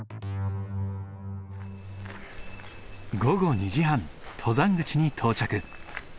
午後２時半登山口に到着。